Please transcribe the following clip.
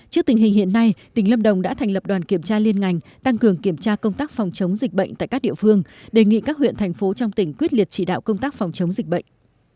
trước tình hình hiện nay tỉnh lâm đồng đã thành lập đoàn kiểm tra liên ngành tăng cường kiểm tra công tác phòng chống dịch bệnh tại các địa phương đề nghị các huyện thành phố trong tỉnh quyết liệt chỉ đạo công tác phòng chống dịch bệnh